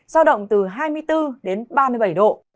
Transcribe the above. giao động từ hai mươi bốn đến ba mươi bảy độ